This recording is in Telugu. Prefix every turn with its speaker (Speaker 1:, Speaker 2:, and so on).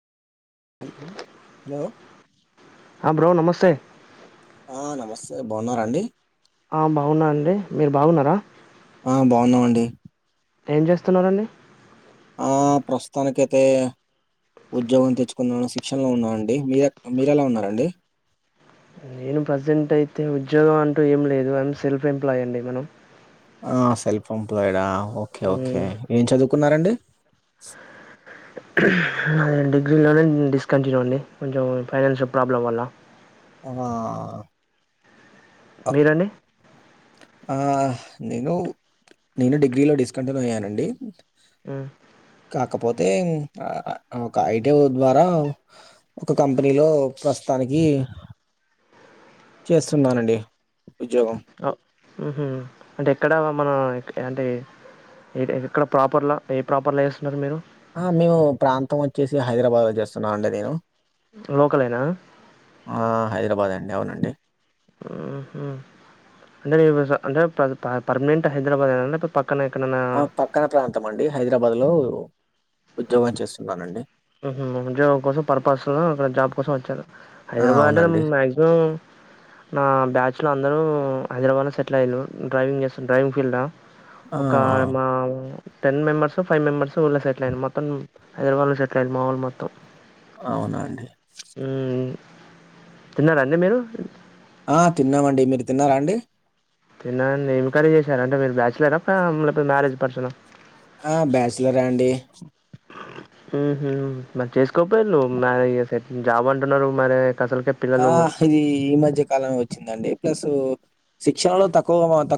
Speaker 1: హలో
Speaker 2: ఆ బ్రో నమస్తే
Speaker 1: ఆ నమస్తే బాగున్నారా అండి
Speaker 2: ఆ బాగున్నా అండి మీరు బాగున్నారా
Speaker 1: ఆ బాగున్నామండి
Speaker 2: ఏం చేస్తున్నారండి
Speaker 1: ఆ ప్రస్తుతానికయితే ఉద్యోగం తెచ్చుకున్న వోళ్ళ శిక్షణ లో ఉన్నా అండి మీర మీరెలా ఉన్నారండి
Speaker 2: నేను ప్రజెంట్ అయితే ఉద్యోగం అంటూ ఏం లేదు ఐమ్ సెల్ఫ్ ఎంప్లాయ అండి మనం
Speaker 1: ఆ సెల్ఫ్ ఎంప్లాయిడా ఓకే
Speaker 2: మ్మ్.
Speaker 1: ఓకే ఏం చదువుకున్నారండి
Speaker 2: నేను డిగ్రీలోనే డిస్క్ కంటిన్యూ అండి కొంచెం ఫైనాన్షియల్ ప్రాబ్లం వల్ల
Speaker 1: ఆహా
Speaker 2: మీరండి
Speaker 1: హా నేను నేను డిగ్రీలో డిస్కాంటిన్యూ అయ్యానండి
Speaker 2: ఉం
Speaker 1: కాకపోతే ఆ ఒక ఐడియా ద్వారా ఒక కంపెనీలో ప్రస్తుతానికి చేస్తున్నాను అండి ఉద్యోగం
Speaker 2: హు హామ్ అంటే ఎక్కడ మన అంటే ఎక్కడ ప్రోపర్లా ఏ ప్రోపర్లా చేస్తున్నారు మీరు
Speaker 1: ఆ మేము ప్రాంతం వచ్చేసి హైదరాబాద్లో చేస్తున్నాం అండి నేను
Speaker 2: లోక లేనా
Speaker 1: ఆ హైదరాబాద్ అండి అవునండి
Speaker 2: ఉహు అంటే నీ వస అంటే పా పర్మనెంట్ హైదరాబాద్ ఏనా లేపోతే పక్కన ఎక్కడన్న
Speaker 1: ఆ! పక్కన ప్రాంతం అండి హైదరాబాద్ లో ఉద్యోగం చేస్తున్నానండి
Speaker 2: హూ హమ్ ఉద్యోగం కోసం పర్పస్ లో అక్కడ జాబ్ కోసం వచ్చారు
Speaker 1: ఆ!
Speaker 2: హైదరాబాద్ అంటే
Speaker 1: అవునండి.
Speaker 2: మాక్సిమం నా బ్యాచ్లో అందరూ హైదరాబాద్లో సెటిల్ అయ్యారు డ్రైవింగ్ చేస్త డ్రైవింగ్ ఫీల్డ్
Speaker 1: ఆ!
Speaker 2: ఒక
Speaker 1: ఆ!
Speaker 2: మా ఉ టెన్ మెంబెర్స్ ఫైవ్ మెంబెర్స్ ఊర్లో సెటిల్ అయినం మొత్తం హైదరాబాదులో సెటిల్ అయినారూ మా వొళ్ళు మొత్తం
Speaker 1: అవునా అండి
Speaker 2: ఉమ్ తిన్నారా అండి మీరు
Speaker 1: ఆ తిన్నామండి మీరు తిన్నారా అండి
Speaker 2: తిన్నా అండి ఏం కర్రీ చేశారు అంటే మీరు బ్యాచ్లరా ఫ్యామ్ లేక్పోతే మ్యారేజ్ పర్సన్ ఆ
Speaker 1: ఆ బ్యాచ్లరే అండి
Speaker 2: మ్ హు మరి చేస్కో పోయిన్లు మ్యారీజేసెస్ జాబ్ అంటున్నారు మరే కథల్కే
Speaker 1: ఆహ్ ఇది ఈ మధ్య కాలమే ఒచ్చిందండి ప్లసు శిక్షణలో తక్కువక్ తక్